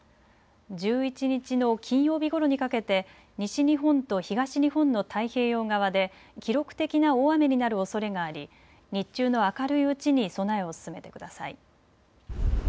１１日の金曜日ごろにかけて西日本と東日本の太平洋側で記録的な大雨になるおそれがあり日中の明るいうちに備えを進めてください。